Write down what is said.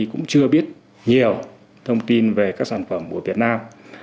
cũng chưa biết nhiều thông tin về các sản phẩm của việt nam